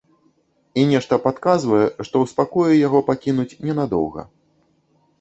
І нешта падказвае, што ў спакоі яго пакінуць ненадоўга.